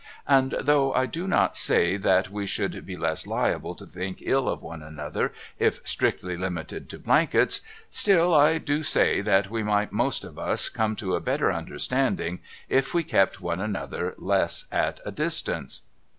And though I do not say that we should be less liable to think ill of one another if strictly limited to blankets, still I do say that we might most of us come to a better under standing if we kept one another less at a distance.